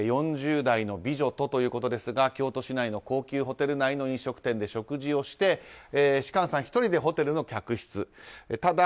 ４０代の美女とということですが京都市内の高級ホテル内の飲食店で食事をして、芝翫さん１人でホテルの客室に。